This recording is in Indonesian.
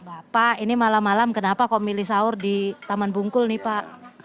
bapak ini malam malam kenapa kok milih sahur di taman bungkul nih pak